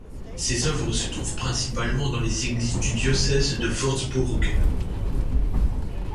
Ses œuvres se trouvent principalement dans les églises du diocèse de Wurtzbourg.